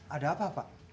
ada apa pak